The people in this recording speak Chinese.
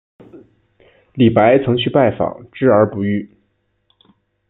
李白曾去拜访之而不遇。